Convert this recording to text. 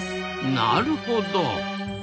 なるほど。